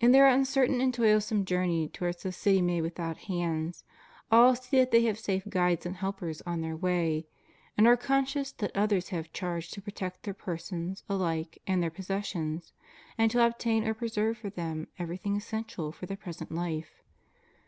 In their uncertain and toilsome journey towards the city made without hands, afl see that they have safe guides and helpers on their way, and are conscious that others have charge to pro tect their persons alike and their possessions, and to obtain or preserve for them everything essential for their present life.